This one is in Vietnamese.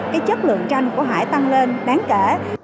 cái chất lượng tranh của hải tăng lên đáng kể